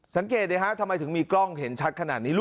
สังเกตดิฮะทำไมถึงมีกล้องเห็นชัดขนาดนี้